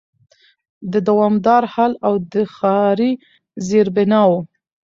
د دوامدار حل او د ښاري زېربناوو